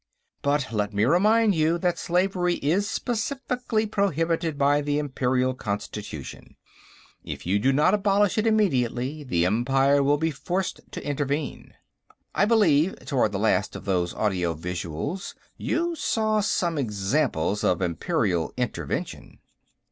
But let me remind you that slavery is specifically prohibited by the Imperial Constitution; if you do not abolish it immediately, the Empire will be forced to intervene. I believe, toward the last of those audio visuals, you saw some examples of Imperial intervention."